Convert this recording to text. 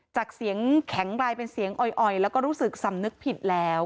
จากเสียงแข็งลายเป็นเสียงอ่อยแล้วก็รู้สึกสำนึกผิดแล้ว